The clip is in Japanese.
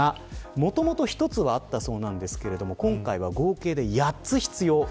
もともと１つはあったそうなんですが今回は合計で８つ必要。